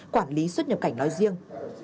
quản lý xuất nhập cảnh nói riêng